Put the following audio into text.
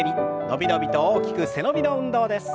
伸び伸びと大きく背伸びの運動です。